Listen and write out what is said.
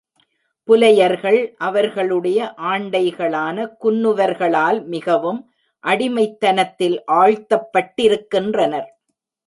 புலையர்கள், அவர்களுடைய ஆண்டை களான குன்னுவர்களால் மிகவும் அடிமைத்தனத்தில் ஆழ்த்தப்பட்டிருக்கின்றனர்.